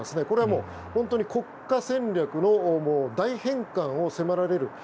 これはもう本当に国家戦略の大転換を迫られる。